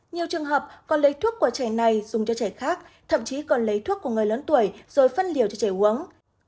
nhiều trường hợp còn lấy thuốc của trẻ này dùng cho trẻ khác thậm chí còn lấy thuốc của người lớn tuổi rồi phân liều cho trẻ uống